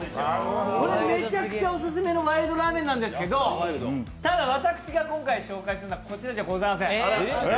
これ、めちゃくちゃオススメのワイルドラーメンなんですけど、私が今回紹介するのはこちらではございません。